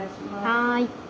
はい。